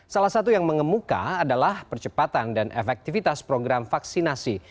salah satu yang mengemuka adalah percepatan dan efektivitas program vaksinasi